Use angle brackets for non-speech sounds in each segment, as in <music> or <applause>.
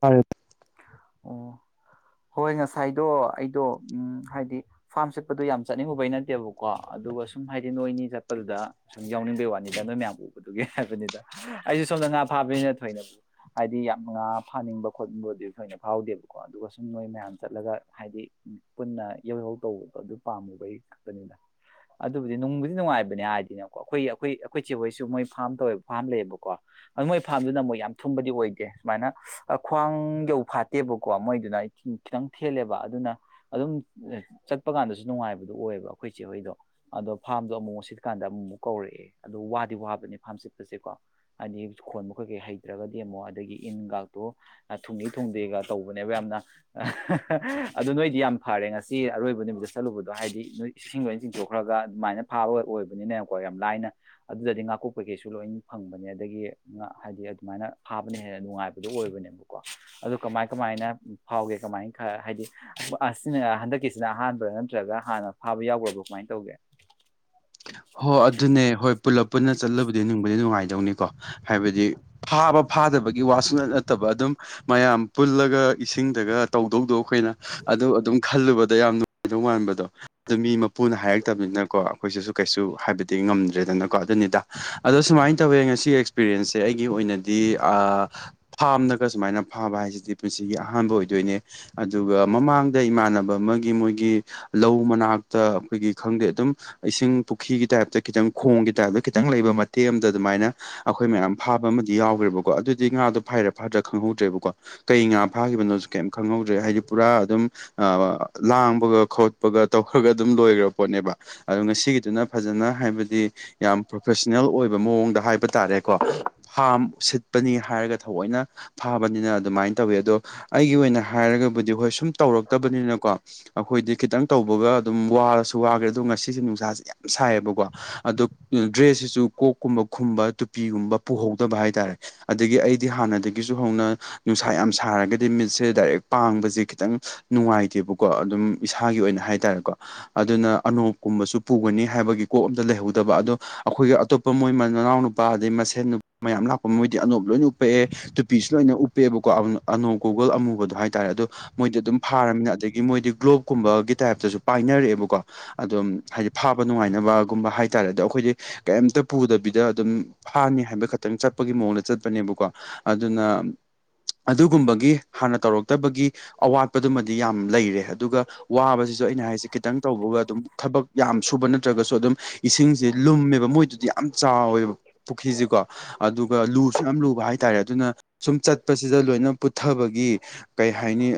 ꯍ ꯑꯣ <inaudible> ꯍꯣꯏ ꯉꯁꯥꯏꯗꯣ ꯑꯩꯗꯣ ꯎꯝ ꯍꯥꯏꯗꯤ ꯐꯥꯔꯝ ꯆꯠꯄꯗꯣ ꯌꯥꯝ ꯆꯠꯅꯤꯡꯉꯨꯕꯩ ꯅꯠꯇꯦꯕꯀꯣ ꯑꯗꯨꯒ ꯁꯨꯝ ꯍꯥꯏꯗꯤ ꯅꯣꯏꯅꯤ ꯆꯠꯄꯗꯨꯗ ꯁꯨꯝ ꯌꯥꯎꯅꯤꯡꯕꯩ ꯋꯥꯅꯤꯗ ꯅꯣꯏ ꯃꯌꯥꯝ ꯎꯕꯗꯨꯒꯤ ꯍꯥꯏꯕꯅꯤꯗ ꯑꯩꯁꯨ ꯁꯣꯝꯗ ꯉꯥ ꯐꯥꯕꯅ ꯊꯣꯏꯅꯦꯕꯨ ꯍꯥꯏꯗꯤ ꯌꯥꯝ ꯉꯥ ꯐꯥꯅꯤꯡꯕ ꯈꯣꯠꯅꯤꯡꯕꯗꯤ ꯊꯣꯏꯅ ꯐꯥꯎꯗꯦꯕꯀꯣ ꯑꯗꯨꯒ ꯁꯨꯝ ꯅꯣꯏ ꯃꯌꯥꯝ ꯆꯠꯂꯒ ꯍꯥꯏꯗꯤ ꯄꯨꯟꯅ ꯌꯧꯍꯧ ꯇꯧꯕꯗꯣ ꯑꯗꯨ ꯄꯥꯝꯃꯨꯕ ꯑꯩꯩ ꯀꯛꯇꯅꯤꯗ ꯑꯗꯨꯕꯨꯗꯤ ꯅꯨꯡꯕꯨꯗꯤ ꯅꯨꯡꯉꯥꯏꯕꯅꯦ ꯍꯥꯏꯗꯤꯅꯦꯀꯣ ꯑꯩꯈꯣꯏ ꯑꯩꯈꯣꯏ ꯑꯩꯈꯣꯏ ꯆꯦ ꯍꯣꯏꯁꯨ ꯃꯣꯏ ꯐꯥꯝ ꯇꯧꯦꯕ ꯐꯥꯔꯝ ꯂꯩꯌꯦꯕꯀꯣ ꯃꯣꯏ ꯐꯥꯝꯗꯨꯅ ꯃꯨꯣꯏ ꯌꯥꯝ ꯊꯨꯝꯕꯗꯤ ꯑꯣꯏꯗꯦ ꯁꯨꯃꯥꯏꯅ ꯈ꯭ꯋꯥꯡ ꯌ ꯐꯥꯠꯇꯦꯕꯀꯣ ꯃꯣꯏꯗꯨꯅ ꯑꯩ ꯈꯤꯇꯪ ꯊꯦꯜꯂꯦꯕ ꯑꯗꯨꯅ ꯑꯗꯨꯝ ꯆꯠꯄ ꯀꯥꯟꯗꯁꯨ ꯅꯨꯡꯉꯥꯏꯕꯗ ꯑꯗꯨ ꯑꯣꯏꯌꯦꯕ ꯑꯩꯈꯣꯏꯆꯦꯍꯣꯏꯗꯣ ꯑꯗꯣ ꯐꯥꯝꯗꯣ ꯑꯃꯨꯛ ꯁꯤꯠꯀꯥꯟꯗ ꯑꯃꯨꯛ ꯑꯃꯨꯛ ꯀꯧꯔꯑꯦꯗꯣ ꯋꯥꯗꯤ ꯋꯥꯕꯅꯤ ꯐꯥꯝ ꯆꯠꯄꯁꯦ ꯀꯣ ꯍꯥꯏꯗꯤ ꯈꯣꯟ ꯃꯈꯩ ꯀꯩ ꯍꯩꯇ꯭ꯔꯒꯗꯤ ꯑꯃꯨꯛ ꯑꯗꯒꯤ ꯏꯟꯒꯇꯨ ꯊ ꯊꯨꯡꯗꯦꯒ ꯇꯧꯕꯅꯦꯕ ꯌꯥꯝꯅ ꯑꯗꯨꯗ ꯅꯣꯏꯗꯤ ꯌꯥꯝ ꯐꯔꯦ ꯉꯁꯤ ꯑꯔꯣꯏꯕ ꯅꯨꯃꯤꯠꯇ ꯆꯠꯂꯨꯕꯗꯣ ꯍꯥꯏꯗꯤ ꯅꯣꯏ ꯏꯁꯤꯡ ꯂꯣꯏꯅ ꯆꯤꯡꯊꯣꯛꯈ꯭ꯔꯒ ꯑꯗꯨꯃꯥꯏꯅ ꯐꯥꯕ ꯑꯣꯏꯕꯅꯤꯅꯦꯕꯀꯣ ꯌꯥꯝ ꯂꯥꯏꯅ ꯑꯗꯨꯗꯗꯤ ꯉꯥꯀꯣꯛꯄꯒꯤ ꯁ ꯂꯣꯏ ꯐꯪꯕꯅꯦ ꯑꯗꯒꯤ ꯍꯥꯏꯗꯤ ꯑꯗꯨꯃꯥꯏꯅ ꯐꯥꯕꯅ ꯍꯦꯟꯅ ꯅꯨꯡꯉꯥꯏꯕꯗꯨꯣ ꯑꯣꯏꯕꯅꯦꯕꯀꯣ ꯑꯗꯨ ꯀꯃꯥꯏ ꯀꯃꯥꯏꯅ ꯐꯥꯎꯒꯦ ꯀꯃꯥꯏꯅ ꯈꯔ ꯍꯥꯏꯗꯤ ꯑꯁꯤꯅ ꯍꯟꯗꯛꯀꯤꯁꯤꯅ ꯑꯍꯥꯟꯕꯥ ꯅꯠꯇ꯭ꯔꯒ ꯒ ꯍꯥꯟꯅ ꯐꯥꯕ ꯌꯥꯎꯈ꯭ꯔꯕꯣ ꯀꯃꯥꯏꯅ ꯇꯧꯒꯦ ꯍꯣ ꯑꯗꯨꯅꯦ ꯍꯣꯏ ꯄꯨꯂꯞ ꯄꯨꯟꯅ ꯆꯠꯂꯨꯕꯗꯤ ꯅꯨꯡꯕꯗꯤ ꯅꯨꯡꯉꯥꯏꯇ ꯀꯩꯗꯧꯅꯤꯀꯣ ꯍꯥꯏꯕꯗꯤ ꯐꯥꯕ ꯐꯥꯗꯕꯒꯤ ꯋꯥꯁꯨꯅ ꯅꯠꯇꯕ ꯑꯗꯨꯝ ꯃꯌꯥꯝ ꯄꯨꯜꯂꯒ ꯏꯁꯤꯡꯗꯒ ꯇꯧꯗꯧꯗꯣ ꯑꯩꯈꯅ ꯑꯗꯨ ꯑꯗꯨꯝ ꯈꯜꯂꯨꯕ ꯌꯥꯝ ꯑꯗꯨꯗꯧ ꯃꯥꯟꯕꯗꯣ ꯑꯗꯨ ꯃꯤ ꯃꯄꯨꯅ ꯍꯥꯏꯔꯛꯇꯕꯅꯤꯅꯀꯣ ꯑꯩꯈꯣꯏꯁꯤꯁꯨ ꯀꯩꯁꯨ ꯍꯥꯏꯕꯗꯤ ꯉꯝꯗ꯭ꯔꯦꯗꯅ ꯀꯣ ꯑꯗꯨꯅꯤꯗ ꯑꯗꯣ ꯁꯨꯃꯥꯏꯅ ꯇꯧꯋꯦ ꯉꯁꯤꯒꯤ ꯑꯦꯛꯁꯄꯤꯔꯤꯌꯦꯟꯁꯁꯦ ꯑꯩꯒꯤ ꯑꯣꯏꯅꯗꯤ ꯐꯥꯝꯅꯒ ꯁꯨꯃꯥꯏꯅ ꯐꯥꯕ ꯍꯥꯏꯁꯤꯗꯤ ꯄꯨꯟꯁꯤ ꯁꯤꯒꯤ ꯑꯍꯥꯟꯕ ꯑꯣꯏꯗꯣꯏꯅꯦ ꯑꯗꯨꯒ ꯃꯃꯥꯡꯗ ꯏꯃꯥꯟꯅꯕ ꯑꯃꯒꯤ ꯃꯣꯏꯒꯤ ꯂꯧ ꯃꯅꯥꯛꯇ ꯇ ꯑꯩꯈꯣꯏꯒꯤ ꯈꯪꯗꯦ ꯑꯗꯨꯝ ꯏꯁꯤꯡ ꯄꯨꯈ꯭ꯔꯤꯒꯤ ꯇꯥꯏꯞꯇ ꯈꯤꯇꯪ ꯈꯣꯡꯒꯤ ꯇꯥꯏꯞꯇ ꯈꯤꯇꯪ ꯂꯩꯕ ꯃꯇꯦꯛ ꯑꯃꯗ ꯑꯗꯨꯃꯥꯏꯅ ꯑꯩꯈꯣꯏ ꯃꯌꯥꯝ ꯐꯥꯕ ꯑꯃꯗꯤ ꯌꯥꯎꯈ꯭ꯔꯦ ꯣ ꯑꯗꯨꯗꯤ ꯉꯥꯣ ꯐꯔ ꯐꯥꯗ꯭ꯔ ꯈꯪꯍꯧꯗ꯭ꯔꯕꯀꯣ ꯀꯩ ꯉꯥ ꯐꯥꯈꯤꯕꯅꯣꯁꯨ ꯀꯩꯝ ꯈꯪꯍꯧꯗ꯭ꯔꯦ ꯍꯥꯏꯗꯤ ꯄꯨꯔꯥ ꯑꯗꯨꯝ ꯂꯥꯡꯕꯒ ꯈꯣꯠꯄꯒ ꯇꯧꯈ꯭ꯔꯒ ꯑꯗꯨꯝ ꯂꯣꯏꯈ꯭ꯔꯕ ꯄꯣꯠꯅꯦꯕ ꯑꯗꯨ ꯉꯁꯤꯒꯤ ꯑꯗꯨꯅ ꯐꯖꯅ ꯍꯥꯏꯕꯗꯤ ꯌꯥꯝ ꯄ꯭ꯔꯣꯐꯦꯁꯅꯦꯜ ꯑꯣꯏꯕ ꯃꯑꯣꯡꯗ ꯍꯥꯏꯕ ꯇꯥꯔꯦꯀꯣ ꯍꯥꯝ ꯁꯤꯠꯄꯅꯤ ꯍꯥꯏꯔꯒ ꯊꯑꯣꯏꯅ ꯐꯥꯕꯅꯤꯅ ꯑꯗꯨꯃꯥꯏꯅ ꯇꯧꯋꯤ ꯑꯗꯣ ꯑꯩꯒꯤ ꯑꯣꯏꯅ ꯍꯥꯏꯔꯒꯕꯨꯗꯤ ꯍꯣꯏ ꯁ ꯑꯗꯨ ꯇꯧꯔꯛꯇꯕꯅꯤꯅꯀꯣ ꯑꯩꯈꯣꯏꯗꯤ ꯈꯤꯇꯪ ꯇꯧꯕꯒ ꯑꯗꯨꯝ ꯋꯥꯔꯁꯨ ꯋꯥꯈ꯭ꯔꯦ ꯑꯗꯣ ꯉꯁꯤꯁꯦ ꯅꯨꯡꯁꯥꯁꯦ ꯌꯥꯝ ꯁꯥꯏꯌꯦꯕꯀꯣ ꯑꯗꯣ ꯗ꯭ꯔꯦꯁꯁꯤꯁꯨ ꯀꯣꯛꯀꯨꯝꯕ ꯈꯨꯝꯕ ꯇꯨꯄꯤꯒꯨꯝꯕ ꯄꯨꯍꯧꯗꯕ ꯍꯥꯏꯇꯥꯔꯦ ꯑꯗꯒꯤ ꯑꯩꯗꯤ ꯍꯥꯟꯅꯗꯒꯤꯁꯨ ꯍꯧꯅ ꯅꯨꯡꯁꯥ ꯌꯥꯝ ꯁꯥꯔꯒꯗꯤ ꯃꯤꯠꯁꯦ ꯗꯥꯏꯔꯦꯛ ꯄꯥꯡꯕꯁꯦ ꯈꯤꯇꯪ ꯅꯨꯡꯉꯥꯏꯇꯦꯕꯀꯣ ꯑꯗꯨꯝ ꯏꯁꯥꯒꯤ ꯑꯣꯏꯅ ꯍꯥꯏꯇꯥꯔꯦꯀꯣ ꯑꯗꯨꯅ ꯑꯅꯣꯞꯀꯨꯝꯕꯁꯨ ꯄꯨꯒꯅꯤ ꯍꯥꯏ ꯍꯥꯏꯕꯒꯤ ꯀꯣꯛ ꯑꯝꯇ ꯂꯩꯍꯧꯗꯕ ꯑꯗꯣ ꯑꯩꯈꯣꯏꯒꯤ ꯑꯇꯣꯞꯄ ꯃꯣꯏ ꯃꯅꯥꯎ ꯅꯨꯄꯥ ꯑꯗꯩ ꯃꯁꯦꯟ ꯃꯌꯥꯝ ꯂꯥꯛꯄ ꯃꯣꯏ ꯑꯅꯧꯞ ꯂꯣꯏꯅ ꯎꯞꯄꯛꯑꯦ ꯇꯨꯄꯤꯁꯨ ꯂꯣꯏꯅ ꯎꯞꯄꯑꯦꯕꯀꯣ ꯑꯅꯧ ꯣꯒꯜ ꯑꯃꯨꯕꯗꯣ ꯍꯥꯏꯇꯥꯔꯦ ꯑꯣꯣꯏꯗꯤ ꯑꯗꯨꯝ ꯐꯥꯔꯕꯅꯤꯅ ꯑꯗꯒꯤ ꯃꯣꯏꯗꯤ ꯒ꯭ꯂꯣꯞꯀꯨꯝꯕꯒꯤ ꯇꯥꯏꯞꯇꯁꯨ ꯄꯥꯏꯅꯔꯛꯑꯦꯕꯀꯣ ꯑꯗꯨꯝ ꯍꯥꯏꯗꯤꯥ ꯅꯨꯡꯉꯥꯏꯅꯕꯒꯨꯝꯕ ꯍꯥꯏꯇꯥꯔꯦ ꯑꯗꯣ ꯑꯩꯈꯣꯏꯗꯤ ꯀꯩꯝꯇ ꯄꯨꯗꯕꯤꯗ ꯑꯗꯨꯝ ꯐꯥꯅꯤ ꯍꯥꯏꯕ ꯈꯛꯇꯪ ꯆꯠꯄꯒꯤ ꯃꯑꯣꯡꯗ ꯆꯠꯄꯅꯦꯕꯀꯣ ꯑꯗꯨꯅ ꯑꯗꯨꯒꯨꯝꯕꯒꯤ ꯍꯥꯟꯅ ꯇꯧꯔꯛꯇꯕꯒꯤ ꯑꯋꯥꯠꯄꯗꯨꯃꯗꯤ ꯌꯥꯝ ꯂꯩꯔꯦ ꯑꯗꯨꯒ ꯋꯥꯕꯁꯤ ꯁꯨ ꯑꯩꯅ ꯍꯥꯏꯁꯦ ꯈꯤꯇꯪ ꯇꯧꯕꯒ ꯑꯗꯨꯝ ꯊꯕꯛ ꯌꯥꯝ ꯁꯨꯕ ꯅꯠꯇ꯭ꯔꯒꯁꯨ ꯑꯗꯨꯝ ꯏꯁꯤꯡꯁꯦ ꯂꯨꯝꯃꯦꯕ ꯃꯣꯏꯗꯨꯗꯤ ꯌꯥꯝ ꯆꯥꯎꯋꯦꯕ ꯄꯨꯈ꯭ꯔꯤꯁꯤꯦꯀꯣ ꯑꯗꯨ ꯑꯗꯨꯒ ꯂꯨꯁꯨ ꯌꯥꯝ ꯂꯨꯕ ꯍꯥꯏꯇꯥꯔꯦ ꯑꯗꯨꯅ ꯁꯨꯝ ꯆꯠꯄꯁꯤꯗ ꯂꯣꯏꯅ ꯄꯨꯊꯕꯒꯤ ꯀꯩ ꯍꯥꯏꯅꯤ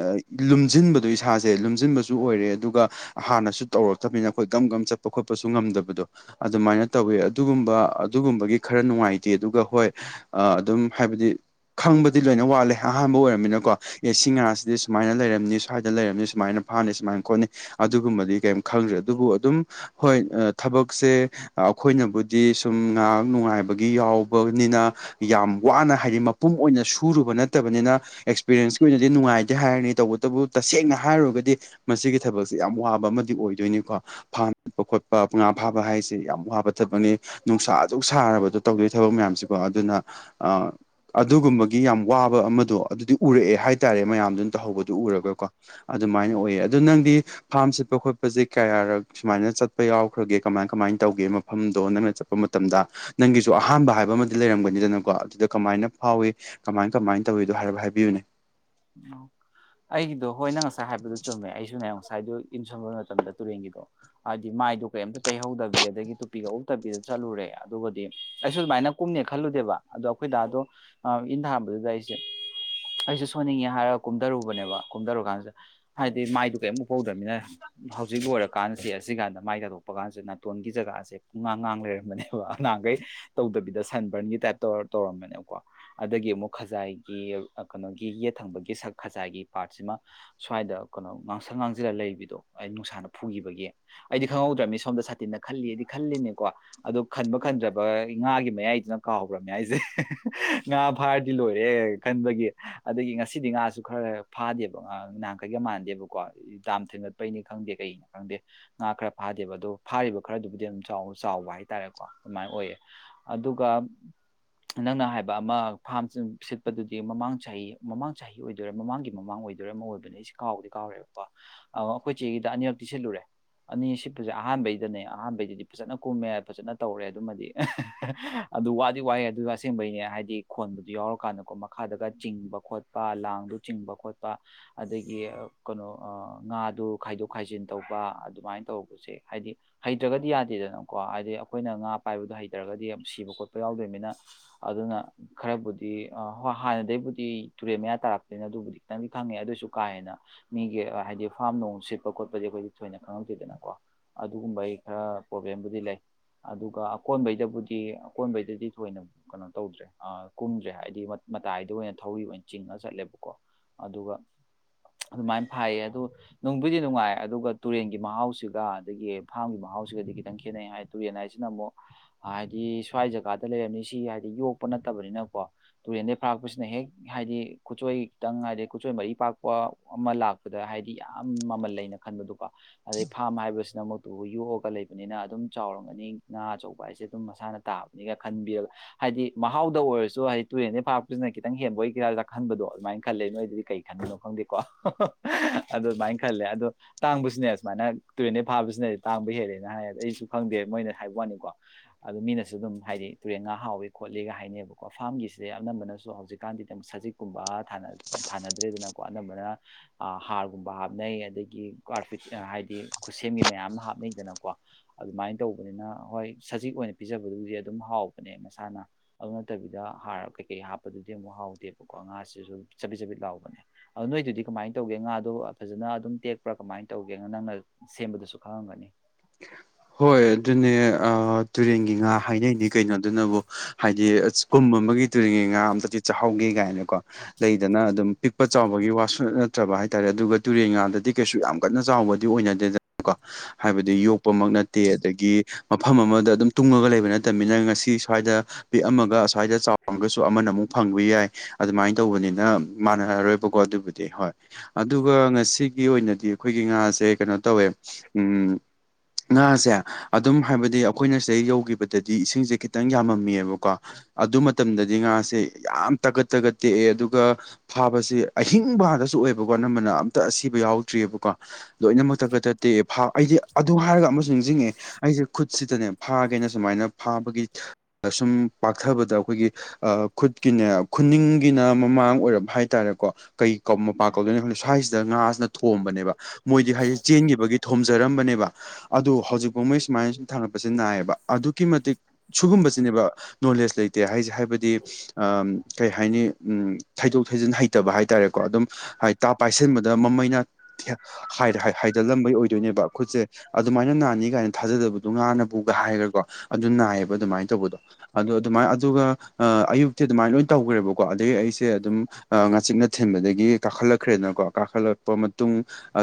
ꯂꯨꯝꯁꯤꯟꯕꯗꯣ ꯏꯁꯥꯁꯦ ꯂꯨꯝꯁꯤꯟꯕꯁꯨ ꯑꯣꯏꯔꯦ ꯑꯗꯨꯒ ꯍꯥꯟꯅꯁꯨ ꯇꯧꯔꯛꯇꯕꯅꯤꯅ ꯑꯩꯈꯣꯏ ꯀꯝ ꯀꯒꯝ ꯆꯞ ꯄꯣꯛꯈꯣꯠꯄꯁꯨ ꯉꯝꯗꯕꯗꯣ ꯑꯗꯨꯃꯥꯏꯅ ꯇꯧꯋꯦ ꯑꯗꯨꯒꯨꯝꯕ ꯑꯗꯨꯒꯨꯝꯕꯒꯤ ꯈꯔ ꯅꯨꯡꯉꯥꯏꯇꯦ ꯑꯗꯨꯒ ꯍꯣꯏ ꯑ ꯑꯗꯨꯝ ꯍꯥꯏꯕꯗꯤ ꯈꯪꯕꯗꯤ ꯂꯣꯏꯅ ꯋꯥꯠꯂꯦ ꯑꯍꯥꯟꯕ ꯑꯣꯏꯔꯝꯃꯤꯅꯀꯣ ꯑꯦ ꯁꯤ ꯉꯥꯁꯤꯗꯤ ꯁꯨꯃꯥꯏꯅ ꯂꯩꯔꯝꯅꯤ ꯁ꯭ꯋꯥꯏꯗ ꯂꯩꯔꯝꯅꯤ ꯁꯨꯃꯥꯏꯅ ꯝ ꯐꯥꯅꯤ ꯁꯨꯃꯥꯏꯅ ꯈꯣꯠꯅꯤ ꯑꯗꯨꯒꯨꯝꯕꯗꯤ ꯀꯩꯝ ꯈꯪꯗ꯭ꯔꯦ ꯑꯗꯨꯕꯨ ꯑꯗꯨꯝ ꯍꯣꯏ ꯊꯕꯛꯁꯦ ꯑꯩꯈꯣꯏꯅꯕꯨꯗꯤ ꯁꯨꯝ ꯉꯥꯏꯍꯥꯛ ꯅꯨꯡꯉꯥꯏꯕꯒꯤ ꯌꯥꯎꯕꯅꯤꯅ ꯌꯥꯝ ꯋꯥꯅ ꯍꯥꯏꯗꯤ ꯃꯄꯨꯝ ꯑꯣꯏꯅ ꯁꯨꯔꯨꯕ ꯅꯠꯇꯕꯅꯤꯅ ꯑꯦꯛꯁꯄꯤꯔꯦꯟꯁꯀꯤ ꯑꯣꯏꯅꯗꯤ ꯅꯨꯡꯉꯥꯏꯇꯦ ꯍꯥꯏꯔꯅꯤꯅ ꯇꯧꯕꯇꯕꯨ ꯇꯁꯦꯡꯅ ꯍꯥꯏꯔꯨꯔꯒꯗꯤ ꯃꯁꯤꯒꯤ ꯊꯕꯛꯁ ꯌꯥꯝ ꯋꯥꯕ ꯑꯃꯗꯤ ꯑꯣꯏꯗꯣꯏꯅꯤꯣ ꯆꯠꯄ ꯈꯣꯠꯄ ꯄꯉꯥ ꯐꯥꯕ ꯍꯥꯏꯁꯦ ꯌꯥꯝ ꯋꯥꯕ ꯊꯠꯄꯅꯤ ꯅꯨꯡꯁꯥ ꯑꯗꯨ ꯁꯥꯔꯕꯗꯣ ꯇꯧꯗꯣꯏ ꯊꯕꯛ ꯃꯌꯥꯝꯁꯤꯀꯣ ꯑꯗꯨꯅ ꯑ ꯑꯗꯨꯒꯨꯝꯕꯒꯤ ꯌꯥꯝ ꯋꯥꯕ ꯑꯃꯗꯣ ꯑꯗꯨꯗꯤ ꯎꯔꯛꯑꯦ ꯍꯥꯏꯇꯥꯔꯦ ꯃꯌꯥꯝꯗꯨꯅ ꯇꯧꯍꯧꯕꯗ ꯑꯗꯨ ꯎꯔꯒꯀꯣ ꯑꯗꯨꯃꯥꯏꯅ ꯑꯣꯏꯌꯦ ꯑꯗꯨꯗꯣ ꯅꯪꯗꯤ ꯐꯥꯔꯝ ꯁꯤꯠꯄ ꯈꯣꯠꯄꯁꯦ ꯀꯌꯥꯔ ꯁꯨꯃꯥꯏꯅ ꯆꯠꯄ ꯌꯥꯎꯈ꯭ꯔꯒꯦ ꯀꯃꯥꯏ ꯀꯃꯥꯏꯅ ꯇꯧꯒꯦ ꯃꯐꯝꯗꯣ ꯅꯪꯅ ꯆꯠꯄ ꯃꯇꯝꯗ ꯅꯪꯒꯤꯁꯨ ꯑꯍꯥꯟꯕ ꯍꯥꯏꯕ ꯑꯃꯗꯤ ꯂꯩꯔꯝꯒꯅꯤꯗꯅꯀꯣ ꯑꯗꯨꯗ ꯀꯃꯥꯏꯅ ꯐꯥꯎꯏ ꯀꯃꯥꯏ ꯀꯃꯥꯏꯅ ꯇꯧꯏꯤꯣ ꯍꯥꯏ ꯍꯥꯏꯕꯤꯌꯨꯅꯦ ꯑꯩꯒꯤꯗꯣ ꯍꯣꯏ ꯅꯪ ꯉꯁꯥꯏ ꯍꯥꯏꯕꯗꯣ ꯆꯨꯝꯃꯦ ꯑꯩꯁꯨꯅꯦ ꯉꯁꯥꯏꯗꯣ ꯏꯟꯁꯣꯟꯕ ꯃꯇꯝꯗ ꯇꯨꯔꯦꯟꯒꯤꯗꯣ ꯍꯥꯏꯗꯤ ꯃꯥꯏꯗꯣ ꯀꯩꯝꯇ ꯇꯩꯍꯧꯗꯕꯤ ꯑꯗꯒꯤ ꯇꯨꯄꯤꯒ ꯎꯞꯕꯤꯗ ꯆꯠꯂꯨꯔꯦ ꯑꯗꯨꯒꯗꯤ ꯑꯩꯁꯨ ꯑꯗꯨꯃꯥꯏꯅ ꯀꯨꯝꯅꯦ ꯈꯜꯂꯨꯗꯦꯕ ꯑꯗꯣ ꯑꯩꯈꯣꯏꯗ ꯑꯗꯣ ꯏꯟꯊꯥꯕꯗꯨꯗ ꯑꯩꯁꯦ ꯎ ꯑꯩꯁꯨꯦ ꯁꯣꯟꯅꯤꯡꯉꯦ ꯍꯥꯏꯔꯒ ꯀꯨꯝꯊꯔꯨꯕꯅꯦꯕ ꯀꯨꯝꯊꯔꯨ ꯀꯥꯟꯁꯤꯗ ꯍꯥꯏꯗꯤ ꯃꯥꯏꯗꯨ ꯀꯩꯃꯨꯛ ꯍꯧꯗꯃꯤꯅ ꯍꯧꯖꯤꯛ ꯂꯣꯏꯔꯀꯥꯟꯗꯗꯤ ꯑꯁꯤꯀꯥꯟꯗ ꯃꯥꯏ ꯇꯥꯗꯣꯛꯄ ꯀꯥꯟꯁꯤꯗ ꯅꯥꯇꯣꯟꯒꯤ ꯖꯒꯥꯁꯦ ꯄꯨꯡꯉꯥꯡ ꯉꯥꯡ ꯂꯩꯔꯝꯕꯅꯦꯕ ꯑꯉꯥꯡꯈꯩ ꯇꯧꯗꯕꯤꯗ ꯇ ꯑ ꯑꯃꯛꯩꯅ ꯌꯦ ꯊꯪꯕꯒꯤ ꯁꯛ ꯈꯖꯥꯏꯒꯤ ꯄꯥꯔꯠꯁꯤꯃ ꯁ꯭ꯋꯥꯏꯗ ꯀꯩꯅꯣ ꯉꯥꯡꯁ ꯉꯥꯡꯁꯤꯜꯂꯒ ꯂꯩꯕꯤꯗꯣ ꯑꯩ ꯅꯨꯡꯁꯥ ꯐꯨꯈꯤꯕꯒꯤ ꯑꯩꯗꯤ ꯈꯪꯍꯧꯗ꯭ꯔꯕꯅꯤ ꯁꯣꯝꯗ ꯁꯥꯇꯤꯟꯅ ꯈꯜꯂꯤꯗꯤ ꯈꯜꯂꯤꯅꯦꯀꯣ ꯑꯗꯣ ꯈꯟꯕ ꯈꯟꯗ꯭ꯔꯕ ꯉꯥꯒꯤ ꯃꯌꯥꯏꯗꯨꯅ ꯀꯥꯎꯍ꯭ꯔꯕꯅꯤ ꯍꯥꯏꯁꯦ ꯉꯥ ꯐꯥꯔꯗꯤ ꯂꯣꯏꯔꯦ ꯈꯟꯕꯒꯤ ꯑꯗꯒꯤ ꯉꯁꯤꯗꯤ ꯉꯥꯁꯨ ꯈꯔ ꯐꯥꯗꯦꯕ ꯉꯥ ꯉꯍ ꯀꯩꯀ ꯃꯥꯟꯗꯦꯕꯀꯣ ꯌꯥꯝꯥꯝ ꯊꯒꯠꯄꯩꯅꯤ ꯈꯪꯗꯦ ꯀꯩ ꯀꯅ ꯈꯪꯗꯦ ꯉꯥ ꯈꯔ ꯐꯥꯗꯦꯕ ꯑꯗꯣ ꯐꯥꯔꯤꯕ ꯈꯔꯗꯨꯕꯨꯗꯤ ꯑꯗꯨꯝ ꯆꯥꯎ ꯆꯥꯎꯕ ꯍꯥꯏꯇꯥꯔꯦꯀꯣ ꯑꯗꯨꯃꯥꯏꯅ ꯑꯣꯏꯌꯦ ꯑꯗꯨꯒ ꯅꯪꯅ ꯍꯥꯏꯕ ꯑꯃ ꯐꯥꯝ ꯁꯤꯠꯄꯗꯨꯗꯤ ꯃꯃꯥꯡ ꯆꯍꯤ ꯃꯃꯥꯡ ꯆꯍꯤ ꯑꯣꯏꯗꯣꯏꯔꯥ ꯃꯃꯥꯡꯒꯤ ꯃꯃꯥꯡ ꯑꯣꯏꯗꯣꯏꯔꯥ ꯑꯃ ꯑꯣꯏꯕꯅ ꯑꯩꯁꯦ ꯀꯥꯎꯗꯤ ꯀꯥꯎꯔꯦꯕꯀꯣ ꯑꯩꯈꯣꯏ ꯆꯦꯒꯤꯗ ꯑꯅꯤꯔꯛ ꯇꯤꯁꯜꯂꯨꯔꯦ ꯑꯅꯤ ꯁꯤꯄꯁꯦ ꯑꯍꯥꯟꯕꯩꯗꯅꯦ ꯑꯍꯥꯟꯕꯩꯗꯗꯤ ꯐꯖꯅ ꯀꯨꯝꯃꯦ ꯐꯖꯅ ꯇꯧꯔꯦ ꯑꯗꯨꯃꯗꯤ ꯑꯗꯨ ꯋꯥꯗꯤ ꯋꯥꯏꯦ ꯑꯗꯨ ꯑꯁꯦꯡꯕꯩꯅꯦ ꯍꯥꯏꯗꯤ ꯈꯣꯟꯕꯗꯨ ꯌꯥꯎꯔꯀꯥꯟꯗꯀꯣ ꯃꯈꯥꯗꯒ ꯆꯤꯡꯕ ꯈꯣꯠꯄ ꯂꯥꯡꯗꯨ ꯆꯤꯡꯕ ꯈꯣꯠꯄ ꯑꯗꯒꯤ ꯀꯩꯅꯣ ꯉꯥꯗꯨ ꯈꯥꯏꯗꯣꯛ ꯈꯥꯏꯖꯤꯟ ꯇ ꯑꯗꯨ ꯇꯔ ꯍꯥꯏ ꯍ꯭ꯔꯅꯣ ꯍꯥꯏ ꯑꯩꯅ ꯉ ꯑꯣꯏꯔꯒꯗꯤ ꯌꯥꯝ ꯁꯤꯕ ꯈꯣꯠꯄ ꯌꯥꯎꯗꯣꯏꯅꯤꯅ ꯑꯗꯨꯅ ꯈꯔꯕꯨꯗꯤ ꯍꯣꯏ ꯍꯥꯟꯅꯗꯒꯤꯩꯕꯨꯗꯤ ꯇꯨꯔꯦꯟ ꯃꯌꯥ ꯇꯥꯔꯛꯄꯅꯤꯅ ꯑꯗꯨꯕꯨꯗꯤ ꯈꯤꯇꯪꯗꯤ ꯈꯪꯉꯦ ꯑꯗꯨꯑꯣꯏꯁꯨ ꯀꯥ ꯍꯦꯟꯅ ꯃꯤꯒꯤ ꯍꯥꯏꯗꯤ ꯐꯥꯔꯝ ꯅꯣꯡ ꯁꯤꯠꯄ ꯈꯣꯠꯄꯁ ꯑꯩꯗꯤ ꯁꯣꯏꯅ ꯈꯪꯉꯝꯗꯦꯗꯅꯀꯣ ꯑꯗꯨꯒꯨꯝꯕ ꯑꯩ ꯈꯔ ꯄ꯭ꯔꯣꯕ꯭ꯂꯦꯝꯕꯨꯗꯤ ꯂꯩ ꯑꯗꯨꯒ ꯑꯀꯣꯟꯕꯩꯗꯕꯨꯗꯤ ꯑꯀꯣꯟꯕꯩꯗꯗꯤ ꯊꯣꯏꯅ ꯀꯩꯅꯣ ꯇꯧꯗ꯭ꯔꯦ ꯀꯨꯝꯗ꯭ꯔꯦ ꯍꯥꯏꯕꯗꯤ ꯃꯇꯥꯏꯗ ꯑꯣꯏꯅ ꯊꯧꯔꯤ ꯑꯣꯏꯅ ꯆꯤꯡꯉ ꯆꯠꯂꯦꯕꯀꯣ ꯑꯗꯨꯒ ꯑꯗꯨꯃꯥꯏꯅ ꯐꯥꯏꯌꯦ ꯑꯗꯨꯣ ꯅꯨꯡꯕꯨꯗꯤ ꯅꯨꯡꯉꯥꯏ ꯑꯗꯨꯒ ꯇꯨꯔꯦꯟꯒꯤ ꯃꯍꯥꯎꯁꯤꯒ ꯑꯗꯒꯤꯝ ꯐꯥꯝꯒꯤ ꯃꯍꯥꯎ ꯥꯎꯁꯤꯒꯗꯤ ꯈꯤꯇꯪ ꯈꯦꯠꯅꯩ ꯍꯥꯏꯗꯤ ꯇꯨꯔꯦꯟ ꯍꯥꯏꯁꯤꯅ ꯑꯃꯨꯛ ꯍꯥꯏꯗꯤ ꯁ꯭ꯋꯥꯏ ꯖꯒꯥꯗ ꯂꯩꯔꯝꯅꯤ ꯁꯤ ꯍꯥꯏꯗꯤ ꯌꯣꯛꯄꯅ ꯅꯠꯇꯕꯅꯤꯅꯀꯣ ꯇꯨꯔꯦꯟꯗꯒꯤ ꯐꯥꯔꯛꯄꯁꯤꯅ ꯍꯦꯛ ꯍꯥꯏꯗꯤ ꯈꯨꯠꯆꯣꯏ ꯈꯤꯇꯪ ꯍꯥꯏꯗꯤ ꯈꯨꯠꯆꯣꯏ ꯃꯔꯤ ꯄꯥꯛꯄ ꯑꯃ ꯂꯥꯛꯄꯗ ꯍꯥꯏꯗꯤ ꯌꯥꯝ ꯃꯃꯜ ꯂꯩꯅ ꯈꯟꯕꯗꯨꯀꯣ ꯑꯗꯩ ꯐꯥꯝ ꯍꯥꯏꯕꯁꯤ ꯁꯤꯅꯃꯛꯇꯨꯕꯨ ꯌꯣꯛꯑꯒ ꯂꯩꯕꯅꯤꯅ ꯑꯗꯨꯝ ꯆꯥꯎꯔꯝꯒꯅꯤ ꯉꯥ ꯑꯆꯧꯕ ꯍꯥꯏꯁꯦ ꯑꯗꯨꯝ ꯃꯁꯥꯅ ꯇꯥꯕꯅꯤꯒ ꯈꯟꯕꯤꯔꯒ ꯍꯥꯏꯗꯤ ꯃꯍꯥꯎꯗ ꯑꯣꯏꯔꯁꯨ ꯍꯥꯏꯗꯤ ꯇꯨꯔꯦꯟꯅꯤ ꯐꯥꯔꯄꯁꯤꯅ ꯈꯤꯇꯪ ꯍꯦꯟꯕꯣꯏ ꯍꯤꯗ ꯆꯥꯛꯍꯟꯕꯗꯣ ꯑꯗꯨꯃꯥꯏꯅ ꯈꯜꯂꯦ ꯅꯣꯏꯗꯗꯤ ꯀꯩ ꯈꯟꯕꯅꯣ ꯈꯪꯗꯦꯀꯣ ꯑꯗꯨ ꯑꯗꯨꯃꯥꯏꯅ ꯈꯜꯂꯦ ꯑꯗꯣ ꯇꯥꯡꯕꯁꯤꯅꯦ ꯁꯨꯃꯥꯏꯅ ꯇꯨꯔꯦꯟꯗꯩ ꯐꯥꯕꯁꯤꯅꯗꯤ ꯇꯥꯡꯕ ꯍꯦꯜꯂꯦꯅ ꯍꯥꯏꯗꯤ ꯑꯩꯁꯨ ꯈꯪꯗꯦ ꯃꯣꯏꯅ ꯍꯥꯏꯕ ꯋꯥꯅꯤꯀꯣ ꯑꯗꯨ ꯃꯤꯅꯁꯨ ꯑꯗꯨꯝ ꯍꯥꯏꯗꯤ ꯇꯨꯔꯦꯟ ꯉꯥ ꯍꯥꯎꯋ ꯈꯣꯠꯂꯤꯒ ꯍꯥꯏꯅꯕꯀꯣ ꯐꯥꯝꯒꯤꯁꯦ ꯑꯅꯝꯕꯅꯁꯨ ꯍꯧꯖꯤꯛꯀꯥꯟꯗꯤ ꯁꯖꯤꯛꯀꯨꯝꯕ ꯊꯥꯅꯗ꯭ꯔꯦꯗꯅꯀꯣ ꯑꯅꯝꯕꯅ ꯍꯥꯔꯒꯨꯝꯕ ꯍꯥꯞꯅꯩ ꯑꯗꯒꯤ <unintelligible> ꯍꯥꯏꯗꯤ ꯈꯨꯠꯁꯦꯝꯒꯤ ꯃꯌꯥꯝ ꯑꯃ ꯍꯥꯞꯅꯩꯗꯅꯀꯣ ꯑꯗꯨꯃꯥꯏꯅ ꯇꯧꯕꯅꯤꯅ ꯍꯣꯏ ꯑꯣꯏꯅ ꯄꯤꯖꯕꯗꯨꯗꯤ ꯑꯗꯨꯝ ꯍꯥꯎꯕꯅꯦ ꯃꯁꯥꯅ ꯑꯗꯨ ꯅꯠꯇꯕꯤꯗ ꯍꯥꯔ ꯀꯩꯀꯩ ꯍꯥꯞꯄꯗꯨꯗꯤ ꯑꯃꯨꯛ ꯍꯥꯎꯗꯦ ꯀꯣ ꯉꯥꯁꯤꯁꯨ ꯆꯥꯄꯤꯠ ꯆꯥꯕꯤꯠ ꯂꯥꯎꯕꯅꯦ ꯑꯣ ꯅꯣꯏꯗꯨꯗꯤ ꯀꯃꯥꯏꯅ ꯇꯧꯒꯦ ꯉꯥꯗꯣ ꯐꯖꯅ ꯑꯗꯨꯝ ꯇꯦꯛꯄ꯭ꯔ ꯀꯃꯥꯏꯅ ꯇꯧꯒꯦꯅ ꯅꯪꯅ ꯁꯦꯝꯕꯗꯨꯁꯨ ꯈꯪꯉꯝꯒꯅꯤ ꯑ ꯍꯣꯏ ꯑꯗꯨꯅꯦ ꯇꯨꯔꯦꯟꯒꯤ ꯉꯥ ꯍꯥꯏꯅꯩꯅꯤ ꯀꯩꯅꯣ ꯑꯗꯨꯅꯕꯨ ꯍꯥꯏꯗꯤ ꯀꯨꯝ ꯝꯕꯒꯤ ꯇꯨꯔꯤꯉꯩ ꯉꯥ ꯑꯝꯇꯗꯤ ꯆꯥꯛꯍꯥꯎꯒꯦ ꯀꯥꯏꯅꯀꯣ ꯂꯩꯗꯅ ꯑꯗꯨꯝ ꯄꯤꯛꯄ ꯆꯥꯎꯕꯒꯤ ꯋꯥꯁꯨ ꯅꯠꯇ꯭ꯔꯕ ꯍꯥꯏꯇꯥꯔꯦ ꯑꯗꯨꯒ ꯇꯨꯔꯦꯟ ꯉꯥꯗꯗꯤ ꯀꯩꯁꯨ ꯌꯥꯝ ꯀꯟꯅ ꯆꯥꯎꯕꯗꯤ ꯑꯣꯏꯅꯗꯦꯗꯅꯀꯣ ꯍꯥꯏꯕꯗꯤ ꯌꯣꯛꯄꯃꯛ ꯅꯠꯇꯦ ꯑꯗꯒꯤ ꯃꯐꯝ ꯑꯃꯗ ꯑꯗꯨꯝ ꯇꯨꯡꯉꯒ ꯂꯩꯕ ꯅꯠꯇꯝꯅꯤꯅ ꯉꯁꯤ ꯁ꯭ꯋꯥꯏꯗ ꯑꯃꯒ ꯑꯁ꯭ꯋꯥꯏꯗ ꯆꯥꯎꯔꯒꯁꯨ ꯑꯃꯅ ꯑꯃꯨꯛ ꯐꯪꯕ ꯌꯥꯏ ꯑꯗꯨꯃꯥꯏꯅ ꯇꯧꯕꯅꯤꯅ ꯃꯥꯟꯅꯔꯔꯣꯏꯕꯀꯣ ꯑꯗꯨ ꯗꯤ ꯍꯣꯏ ꯑꯗꯨꯒ ꯉꯁꯤꯒꯤ ꯑꯣꯏꯅꯗꯤ ꯑꯈꯣꯏꯒꯤ ꯉꯥꯁꯦ ꯀꯩꯅꯣ ꯇꯧꯋꯦ ꯎꯝ <unintelligible> ꯉꯥꯁꯦ ꯑꯗꯨꯝ ꯍꯥꯏꯕꯗꯤ ꯑꯈꯣꯏꯅ ꯁꯤꯗꯩ ꯌꯧꯒꯤꯈꯤꯕꯗꯗꯤ ꯏꯁꯤꯡꯁꯦ ꯈꯤꯇꯪ ꯌꯥꯝꯃꯝꯃꯤꯑꯕꯀꯣ ꯑꯗꯨ ꯃꯇꯝꯗꯗꯤ ꯉꯥꯁꯦ ꯌꯥꯝ ꯇꯥꯒꯠ ꯇꯒꯠ ꯇꯦꯛꯑꯦ ꯑꯗꯨꯒ ꯐꯥꯕꯁꯤ ꯑꯍꯤꯡꯕꯗꯁꯨ ꯑꯣꯏ ꯑꯣꯏꯕꯀꯣ ꯑꯅꯝꯕꯅ ꯑꯝꯇ ꯑꯁꯤꯕ ꯌꯥꯎꯗ꯭ꯔꯤꯑꯕꯀꯣ ꯂꯣꯏꯅꯃꯛ ꯇꯒꯠꯇ ꯇꯦꯛꯑꯦ ꯑꯩꯗꯤ ꯑꯗꯨ ꯍꯥꯏꯔꯒ ꯑꯃꯁꯨ ꯅꯤꯡꯁꯤꯡꯉꯛꯑꯦ ꯑꯩꯁꯦ ꯈꯨꯠꯁꯤꯗꯅꯦ ꯐꯥꯒꯦꯅ ꯁꯨꯃꯥꯏꯅ ꯐꯥꯕꯒꯤ ꯁꯨꯝ ꯄꯥꯛꯊꯕꯗ ꯑꯈꯣꯏꯒꯤ ꯈꯨꯠꯀꯤꯅꯦ ꯈꯨꯅꯤꯡꯒꯤꯅ ꯃꯃꯥꯡ ꯑꯣꯏꯔꯝ ꯍꯥꯏꯇꯥꯔꯦꯀꯣ ꯀꯩ ꯃꯄꯥ ꯀꯧꯗꯣꯏꯅ ꯈꯪꯗꯦ ꯁ꯭ꯋꯥꯏꯁꯤꯗ ꯉꯥꯁꯤꯅ ꯊꯣꯝꯕꯅꯦꯕ ꯃꯣꯏꯗꯤ ꯍꯥꯏꯗꯤ ꯆꯦꯟꯒꯤꯕꯒꯤ ꯊꯣꯝꯖꯔꯝꯕꯅꯦꯕ ꯑꯗꯨ ꯍꯧꯖꯤꯛꯐꯥꯎ ꯃꯩ ꯁꯨꯃꯥꯏꯅ ꯁꯨꯝ ꯊꯥꯡꯒꯠꯄꯁꯦ ꯅꯥꯏꯌꯦꯕ ꯑꯗꯨꯛꯀꯤ ꯃꯇꯤꯛ ꯁꯨꯒꯨꯝꯕꯁꯤꯅꯦꯕ ꯅꯣꯂꯦꯖ ꯂꯩꯇꯦ ꯍꯥꯏꯁꯦ ꯍꯥꯏꯕꯗꯤ ꯀꯩ ꯍꯥꯏꯅꯤ ꯎꯝ ꯊꯩꯗꯣꯛ ꯊꯩꯖꯤꯟ ꯍꯩꯇꯕ ꯍꯥꯏꯇꯥꯔꯦꯀꯣ ꯑꯗꯨꯝ ꯍꯥꯏ ꯇꯥꯞ ꯄꯥꯏꯁꯤꯟꯕꯗ ꯃꯃꯩꯅ ꯍꯥꯏꯗꯜꯂꯝꯕꯒꯤ ꯑꯣꯏꯗꯣꯏꯅꯦꯕ ꯈꯨꯠꯁꯦ ꯑꯗꯨꯃꯥꯏꯅ ꯅꯥꯅꯤ ꯀꯥꯏꯅ ꯊꯥꯖꯗꯕꯗꯣ ꯉꯥꯅꯕꯨꯒ ꯍꯥꯏꯔꯀꯣ ꯑꯗꯨ ꯅꯥꯏꯌꯦꯕ ꯑꯗꯨꯃꯥꯏ ꯇꯧꯕꯗꯣ ꯑꯗꯣ ꯑꯗꯨꯃꯥꯏ ꯑꯗꯨꯒ ꯑꯌꯨꯛꯇꯤ ꯑꯗꯨꯃꯥꯏꯅ ꯂꯣꯏꯅ ꯇꯧꯒ꯭ꯔꯦꯕꯀꯣ ꯑꯗꯨꯗꯩ ꯑꯩꯁꯦ ꯑꯗꯨꯝ ꯉꯥꯆꯤꯛꯅ ꯊꯤꯟꯕꯗꯩ ꯀꯥꯈꯠꯂꯛꯈ꯭ꯔꯦꯅꯀꯣ ꯀꯥꯈꯠꯂꯛꯄ ꯃꯇꯨꯡ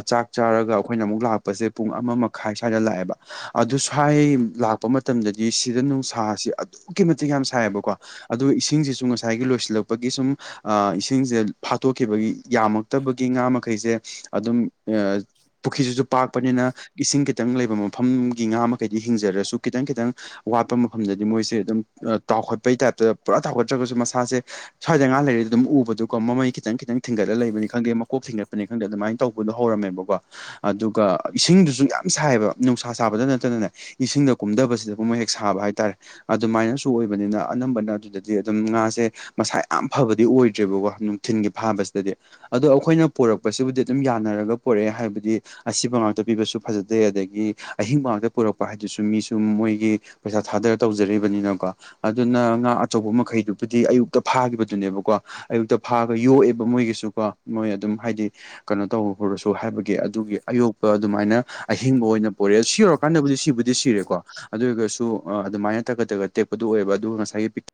ꯆꯥꯛ ꯆꯥꯔꯒ ꯑꯈꯣꯏꯅ ꯑꯃꯨꯛ ꯂꯥꯛꯄꯁꯦ ꯄꯨꯡ ꯑꯃ ꯃꯈꯥꯏ ꯁ꯭ꯋꯥꯏꯗ ꯂꯥꯛꯑꯦꯕ ꯑꯗꯨ ꯁ꯭ꯋꯥꯏ ꯂꯥꯛꯄ ꯃꯇꯝꯗꯗꯤ ꯁꯤꯗ ꯅꯨꯡꯁꯥꯁꯤ ꯑꯗꯨꯛꯀꯤ ꯃꯇꯤꯛ ꯌꯥꯝ ꯁꯥꯏꯌꯦꯕꯀꯣ ꯑꯗꯣ ꯏꯁꯤꯡꯁꯤꯁꯨ ꯉꯁꯥꯏꯒꯤ ꯂꯣꯏꯁꯤꯜꯂꯛꯄꯒꯤ ꯁꯨꯝ ꯒ ꯏꯁꯤꯡꯁꯦ ꯐꯥꯠꯇꯣꯛꯈꯤꯕꯒꯤ ꯌꯥꯝꯃꯛꯇꯕꯒꯤ ꯉꯥ ꯃꯈꯩꯁꯦ ꯑꯗꯨꯝ ꯄꯨꯈ꯭ꯔꯤꯁꯤꯁꯨ ꯄꯥꯛꯄꯅꯤꯅ ꯏꯁꯤꯡ ꯈꯤꯇꯪ ꯂꯩꯕ ꯃꯐꯝꯒꯤ ꯉꯥ ꯃꯈꯩꯗꯤ ꯍꯤꯡꯖꯔꯁꯨ ꯈꯤꯇꯪ ꯈꯤꯇꯪ ꯋꯥꯠꯄ ꯃꯐꯝꯗꯗꯤ ꯃꯣꯏꯁꯦ ꯑꯗꯨꯝ ꯇꯥꯎꯈꯠꯄꯩ ꯇꯥꯏꯞꯇꯗ ꯄꯨꯔꯥ ꯇꯥꯎꯈꯠꯇ꯭ꯔꯒꯁꯨ ꯃꯁꯥꯁꯦ ꯁ꯭ꯋꯥꯏꯗ ꯉꯥ ꯂꯩꯔꯦꯗꯤ ꯑꯗꯨꯝ ꯎꯕꯗꯨꯀꯣ ꯃꯃꯩ ꯈꯤꯇꯪ ꯈꯤꯇꯪ ꯈꯤꯇꯪ ꯊꯤꯡꯒꯠꯂ ꯂꯩꯕꯅꯤ ꯈꯪꯗꯦ ꯃꯀꯣꯛ ꯊꯤꯟ ꯈꯪꯗꯦ ꯑꯗꯨꯃꯥꯏꯅ ꯇꯧꯕꯗꯣ ꯍꯧꯔꯝꯃꯦꯕꯀꯣ ꯑꯗꯨꯒ ꯏꯁꯤꯡꯗꯨꯁꯨ ꯌꯥꯝ ꯁꯥꯏꯌꯦꯕ ꯅꯨꯡꯁꯥ ꯁꯥꯕꯗ ꯅꯠꯇꯅꯅꯦ ꯏꯁꯤꯡꯗ ꯀꯨꯝꯊꯕꯁꯤꯗ ꯃꯣꯏ ꯍꯦꯛ ꯁꯥꯕ ꯍꯥꯏꯇꯥꯔꯦ ꯑꯗꯨꯃꯥꯏꯅ ꯁꯨ ꯑꯣꯏꯕꯅꯤꯅ ꯑꯅꯝꯕꯅ ꯑꯗꯨꯗꯗꯤ ꯑꯗꯨꯝ ꯉꯥꯁꯦ ꯃꯁꯥ ꯌꯥꯝ ꯐꯕꯗꯤ ꯑꯣꯏꯗ꯭ꯔꯦꯕꯀꯣ ꯅꯨꯡꯊꯤꯟꯒꯤ ꯐꯥꯕꯁꯦ ꯑꯗꯣ ꯑꯈꯣꯏꯅ ꯄꯣꯔꯛꯄꯁꯤꯕꯨꯗꯤ ꯑꯗꯨꯝ ꯌꯥꯅꯔꯒ ꯄꯨꯔꯛꯑꯦ ꯍꯥꯏꯕꯗꯤ ꯑꯁꯤꯕ ꯉꯥꯛꯇ ꯄꯤꯕꯁꯨ ꯐꯖꯗꯦ ꯑꯗꯒꯤ ꯑꯍꯤꯡ ꯉꯥꯛꯇ ꯄꯨꯔꯛꯄ ꯍꯥꯏꯗꯨꯁꯨ ꯃꯤꯁꯨ ꯃꯣꯏꯒꯤ ꯄꯩꯁꯥ ꯊꯥꯗꯔ ꯇꯧꯖꯔꯤꯕꯅꯤꯅꯀꯣ ꯑꯗꯨꯅ ꯉꯥ ꯑꯆꯧꯕ ꯃꯈꯩꯗꯨꯕꯨꯗꯤ ꯑꯌꯨꯛꯇ ꯐꯥꯒꯤꯕꯗꯨꯅꯦꯕꯀꯣ ꯑꯌꯨꯛꯇ ꯐꯥꯒ ꯌꯣꯛꯑꯦꯕ ꯃꯣꯏꯒꯤꯁꯨ ꯀꯣ ꯃꯣꯏ ꯑꯗꯨꯝ ꯍꯥꯏꯗꯤ ꯀꯩꯅꯣ ꯇꯧꯔꯨꯔꯁꯨ ꯍꯥꯏꯕꯒꯤ ꯑꯗꯨꯒꯤ ꯑꯌꯣꯛꯄ ꯑꯗꯨꯃꯥꯏꯅ ꯑꯍꯤꯡꯕ ꯑꯣꯏꯅ ꯄꯨꯔꯛꯑꯦ ꯁꯤ ꯌꯧꯔꯀꯥꯟꯗꯕꯨꯗꯤ ꯁꯤꯕꯨꯗꯤ ꯁꯤꯔꯦꯀꯣ ꯑꯗꯨ ꯑꯣꯏꯔꯒꯁꯨ ꯑꯗꯨꯃꯥꯏꯅ ꯇꯒꯠ ꯇꯒꯠ ꯇꯦꯛ ꯄꯗꯨ ꯑꯣꯏꯕ ꯑꯗꯨꯒ ꯉꯁꯥꯏꯒꯤ ꯄꯤꯛ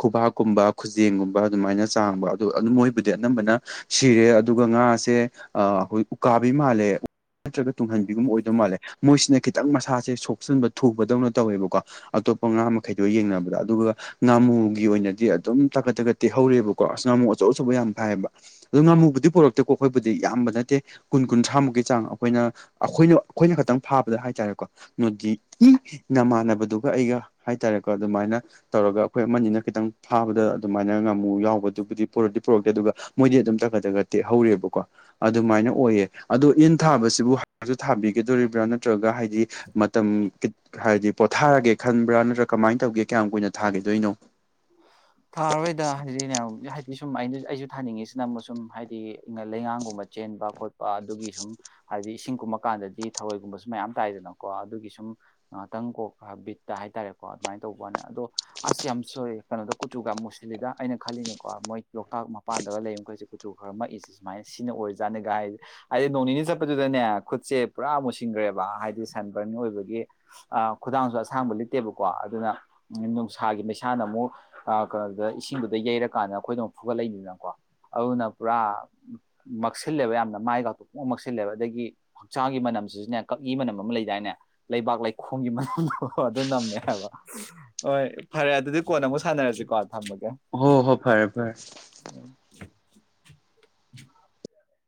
ꯈꯨꯕꯥꯛꯀꯨꯝꯕ ꯈꯨꯖꯦꯡꯒꯨꯝꯕ ꯑꯗꯨꯃꯥꯏꯅ ꯆꯥꯡꯕ ꯑꯗꯨ ꯑꯗꯨ ꯃꯣꯏꯕꯨꯗꯤ ꯑꯅꯝꯕꯅ ꯁꯤꯔꯦ ꯑꯗꯨꯒ ꯉꯥꯁꯦ ꯑꯈꯣꯏ ꯎꯀꯥꯕꯤ ꯃꯥꯜꯂꯦ ꯅꯠꯇ꯭ꯔꯒ ꯇꯨꯡꯍꯟꯕꯤꯒꯨꯝꯕ ꯑꯣꯏꯗꯧ ꯃꯥꯜꯂꯦ ꯃꯣꯏꯁꯤꯅ ꯈꯤꯇꯪ ꯃꯁꯥꯁꯦ ꯁꯣꯛꯆꯟꯕ ꯊꯨꯕꯗꯧꯅ ꯇꯧꯋꯦꯕꯀꯣ ꯑꯇꯣꯞꯄ ꯉꯥ ꯃꯈꯩꯗꯣ ꯌꯦꯡꯅꯕꯗ ꯑꯗꯨꯒ ꯉꯥꯃꯨꯒꯤ ꯑꯣꯏꯅꯗꯤ ꯑꯗꯨꯝ ꯇꯥꯒꯠ ꯇꯒꯠ ꯇꯦꯛ ꯍꯧꯔꯤꯕꯀꯣ ꯑꯁ ꯉꯥꯃꯨ ꯑꯆꯧ ꯑꯆꯧꯕ ꯌꯥꯝ ꯐꯥꯏꯕ ꯑꯗꯨꯣ ꯉꯥꯃꯨꯕꯨꯗꯤ ꯄꯨꯔꯛꯇꯦꯀꯣ ꯑꯈꯣꯏꯕꯨꯗꯤ ꯌꯥꯝꯕ ꯅꯠꯇꯦ ꯀꯨꯟ ꯀꯨꯟꯊ꯭ꯔꯥꯃꯨꯛꯀꯤ ꯆꯥꯡ ꯑꯈꯣꯏꯅ ꯑꯈꯣꯏꯅ ꯑꯈꯣꯏꯅ ꯈꯛꯇꯪ ꯐꯥꯕꯗ ꯍꯥꯏꯇꯥꯔꯦꯀꯣ ꯅꯣꯏꯗꯤ ꯅꯃꯥꯟꯅꯕꯗꯨꯒ ꯑꯩꯒ ꯍꯥꯏꯇꯥꯔꯦ ꯑꯗꯨꯃꯥꯏꯅ ꯇꯧꯔꯒ ꯑꯈꯣꯏ ꯑꯃꯅꯤꯅ ꯈꯤꯇꯪ ꯐꯥꯕꯗ ꯑꯗꯨꯃꯥꯏꯅ ꯉꯝꯃꯨ ꯌꯥꯎꯕꯗꯨꯕꯨꯗꯤ ꯄꯨꯔꯛꯇꯤ ꯄꯨꯔꯛꯇꯦ ꯑꯗꯨꯒ ꯃꯣꯏꯗꯤ ꯑꯗꯨꯝ ꯇꯥꯒꯠ ꯇꯒꯠ ꯇꯦꯛ ꯍꯧꯔꯤꯕꯀꯣ ꯑꯗꯨꯃꯥꯏꯅ ꯑꯣꯏꯌꯦ ꯑꯗꯣ ꯏꯟ ꯊꯥꯕꯁꯤꯕꯨ ꯊꯥꯕꯤꯒꯗꯣꯔꯤꯕ꯭ꯔꯥ ꯅꯠꯇ꯭ꯔꯒ ꯍꯥꯏꯗꯤ ꯃꯇꯝ ꯍꯥꯏꯗꯤ ꯄꯣꯊꯥꯔꯒꯦ ꯈꯟꯕ꯭ꯔꯥ ꯅꯠꯇ꯭ꯔꯒ ꯀꯃꯥꯏꯅ ꯇꯧꯒꯦ ꯀꯌꯥꯝ ꯀꯨꯏꯅ ꯊꯥꯈꯤꯗꯣꯏꯅꯣ ꯊꯥꯔꯣꯏꯗ ꯍꯥꯏꯗꯤ ꯍꯥꯏꯗꯤ ꯁꯨꯝ ꯑꯩꯁꯨ ꯊꯥꯅꯤꯡꯉꯤꯁꯤꯅ ꯑꯃꯨꯛ ꯁꯨꯝ ꯍꯥꯏꯗꯤ ꯂꯩꯉꯥꯡꯒꯨꯝꯕ ꯆꯦꯟꯕ ꯈꯣꯠꯄ ꯑꯗꯨꯒꯤ ꯁꯨꯝ ꯍꯥꯏꯗꯤ ꯏꯁꯤꯡ ꯀꯨꯝꯃ ꯀꯥꯟꯗꯗꯤ ꯊꯔꯣꯏꯒꯨꯝꯕꯁꯨ ꯃꯌꯥꯝ ꯇꯥꯏꯗꯅꯀꯣ ꯑꯗꯨꯒꯤ ꯁꯨꯝ ꯉꯍꯥꯛꯇꯪ ꯀꯣꯛ ꯕꯤꯠꯇ ꯍꯥꯏꯇꯥꯔꯦ ꯀꯣ ꯑꯗꯨꯃꯥꯏꯅ ꯇꯧꯕꯋꯥꯅꯦ ꯑꯗꯣ ꯑꯁ ꯌꯥꯝ ꯁꯣꯏ ꯀꯩꯅꯣꯗ ꯀꯨꯆꯨꯒ ꯃꯨꯁꯤꯜꯂꯤꯗ ꯑꯩꯅ ꯈꯜꯂꯤꯅꯤꯀꯣ ꯃꯣꯏ ꯂꯣꯛꯇꯥꯛ ꯃꯄꯥꯟꯗꯒ ꯂꯩꯕ ꯈꯩꯁꯦ ꯀꯨꯆꯨ ꯈꯔ ꯃꯛꯏꯁꯦ ꯁꯨꯃꯥꯏ ꯁꯤꯅ ꯑꯣꯏꯖꯥꯠꯅꯤꯒꯥꯏ ꯍꯥꯏꯗꯤ ꯅꯣꯡ ꯅꯤꯅꯤ ꯆꯠꯄꯗꯨꯗꯅꯦ ꯈꯨꯠꯁꯦ ꯄꯨꯔꯥ ꯃꯨꯁꯤꯟꯈ꯭ꯔꯦꯕ ꯍꯥꯏꯗꯤ ꯁꯟꯕꯔꯟ ꯀꯩꯅꯣꯑꯣꯏꯕꯒꯤ ꯑ ꯈꯨꯗꯥꯡꯁꯨ ꯑꯁꯥꯡꯕ ꯂꯤꯠꯇꯦꯕꯀꯣ ꯑꯗꯨꯅ ꯎꯝ ꯅꯨꯡꯁꯥꯒꯤ ꯃꯩꯁꯥꯅ ꯑꯃꯨꯛ ꯑꯀꯩꯅꯣꯗ ꯏꯁꯤꯡꯗꯨꯗ ꯌꯩꯔꯀꯥꯟꯗ ꯑꯩꯈꯣꯏꯗ ꯑꯃꯨ ꯐꯨꯒꯠꯂꯛꯏꯅꯤꯗꯅꯀꯣ ꯑꯗꯨꯅ ꯄꯨꯔꯥ ꯃꯛꯁꯤꯜꯂꯦꯕ ꯌꯥꯝꯅ ꯃꯥꯏ ꯀꯥꯛꯇ ꯄꯨꯡ ꯃꯛꯁꯤꯜꯂꯦꯕ ꯑꯗꯒꯤ ꯍꯛꯆꯥꯡꯒꯤ ꯃꯅ ꯁꯤꯁꯤꯅꯦ ꯀꯛꯏ ꯃꯅꯝ ꯑꯃ ꯂꯩꯗꯥꯏꯅꯦ ꯂꯩꯕꯥꯛ ꯂꯩꯈꯣꯒꯤ ꯃꯝꯗꯣ ꯑꯗꯨ ꯅꯝꯃꯦ ꯍꯥꯏꯕ ꯍꯣꯏ ꯐꯔꯦ ꯑꯗꯨꯗꯤ ꯀꯣꯟꯅ ꯑꯃꯨꯛ ꯁꯅꯔꯁꯤꯀꯣ ꯊꯃꯒꯦ ꯍꯣ ꯍꯣ ꯐꯔꯦ ꯐꯔꯦ ꯎ <unintelligible> <inaudible>